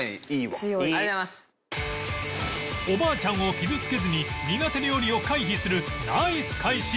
おばあちゃんを傷つけずに苦手料理を回避するナイス返し